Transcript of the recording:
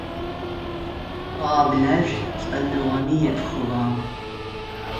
Пӏуаблэр лӏэныгъэми епхыгъагъ.